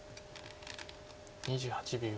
２８秒。